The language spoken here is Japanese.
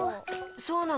そうなの？